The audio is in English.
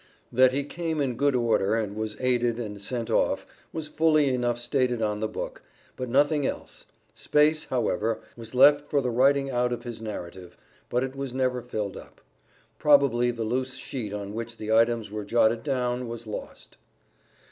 That he came in good order, and was aided and sent off, was fully enough stated on the book, but nothing else; space, however was left for the writing out of his narrative, but it was never filled up. Probably the loose sheet on which the items were jotted down, was lost.